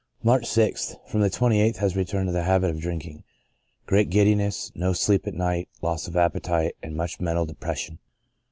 March 6th. — From the 28th has returned to the habit of drinking ; great giddiness, no sleep at night, loss of appe tite, and much mental depression.